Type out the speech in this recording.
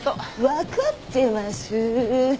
分かってますー。